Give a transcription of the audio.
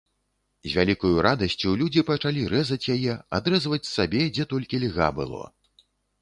З вялікаю радасцю людзі пачалі рэзаць яе, адрэзваць сабе, дзе толькі льга было.